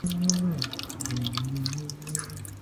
推薦看看。